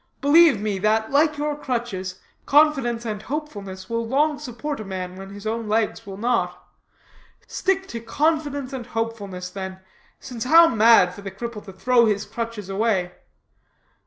Believe me that, like your crutches, confidence and hopefulness will long support a man when his own legs will not. Stick to confidence and hopefulness, then, since how mad for the cripple to throw his crutches away.